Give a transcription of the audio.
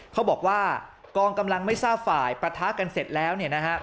เขาบอกว่ากองกำลังไม่ทราบฝ่ายปะทะกันเสร็จแล้วเนี่ยนะฮะ